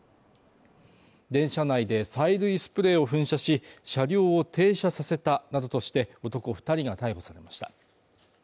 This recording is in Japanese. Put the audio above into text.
電車内で催涙スプレーを噴射し、車両を停車させたなどとして男２人が逮捕されました。